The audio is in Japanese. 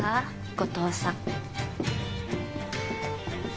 後藤さん